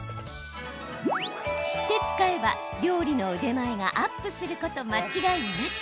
知って使えば、料理の腕前がアップすること間違いなし。